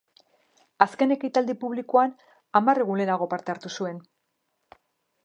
Azken ekitaldi publikoan hamar egun lehenago parte hartu zuen.